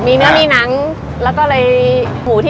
ประกาศรายชื่อพศ๒๕๖๑